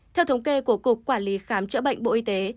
theo thống kê của cục quản lý khám chữa bệnh bộ y tế